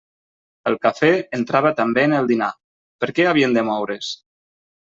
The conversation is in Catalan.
El cafè entrava també en el dinar; per què havien de moure's?